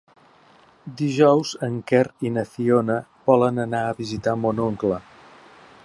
Dijous en Quer i na Fiona volen anar a visitar mon oncle.